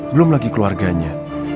belum lagi keluarganya